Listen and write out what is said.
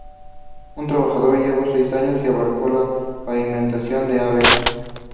Un trabajo que llevó años y abarcó la pavimentación de Av.